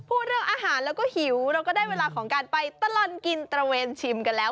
พูดเรื่องอาหารแล้วก็หิวเราก็ได้เวลาของการไปตลอดกินตระเวนชิมกันแล้ว